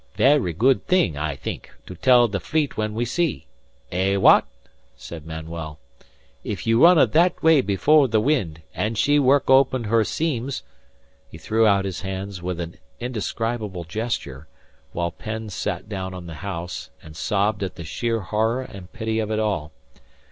"Ver' good thing, I think, to tell the Fleet when we see. Eh, wha at?" said Manuel. "If you runna that way before the 'wind, and she work open her seams " He threw out his hands with an indescribable gesture, while Penn sat down on the house and sobbed at the sheer horror and pity of it all.